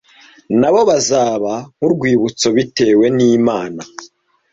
na bo bazaba nku Rwibutso bitewe n’imana